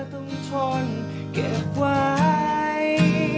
แกรกไว้